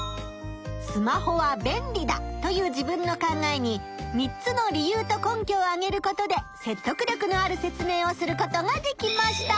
「スマホは便利だ」という自分の考えに３つの理由と根拠をあげることでせっとく力のある説明をすることができました。